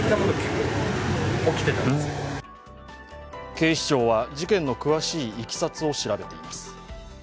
警視庁は事件の詳しいいきさつを調べています。